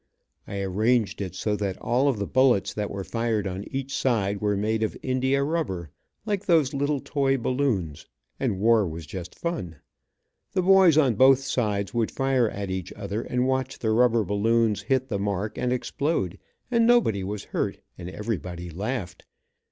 I arranged it so that all of the bullets that were fired on each side, were made of India rubber, like those little toy balloons, and war was just fun. The boys on both sides would fire at each other and watch the rubber balloons hit the mark, and explode, and nobody was hurt, and everybody laughed.